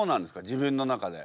自分の中で。